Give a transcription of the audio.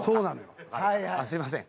あっすいません。